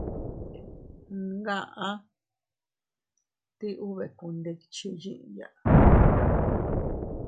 Ngaʼa ti ubekundikchi yiya.